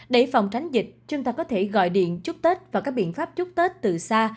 để phòng tránh dịch chúng ta có thể gọi điện chúc tết và các biện pháp chúc tết từ xa